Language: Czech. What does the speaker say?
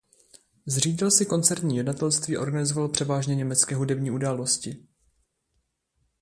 Zřídil si koncertní jednatelství a organizoval převážně německé hudební události.